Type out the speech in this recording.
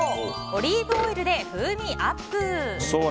オリーブオイルで風味アップ！